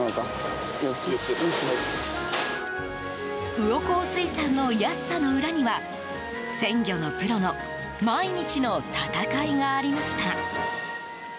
魚幸水産の安さの裏には鮮魚のプロの毎日の戦いがありました。